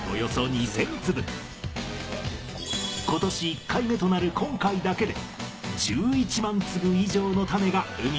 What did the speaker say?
今年１回目となる今回だけで。